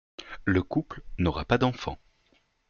Le couple n'aura pas d'enfants.